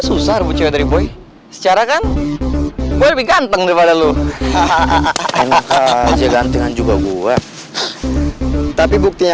susah bukti dari boy secara kan lebih ganteng daripada lu hahaha ganteng juga gue tapi buktinya